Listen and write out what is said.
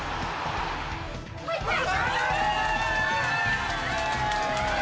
入った！